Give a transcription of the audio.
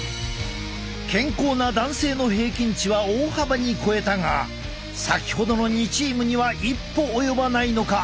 健康な男性の平均値は大幅に超えたが先ほどの２チームには一歩及ばないのか。